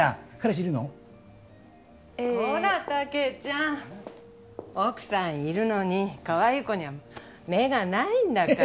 こらタケちゃん奥さんいるのにかわいい子には目がないんだから。